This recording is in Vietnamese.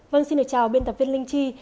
vâng xin được chào biên tập viên linh chi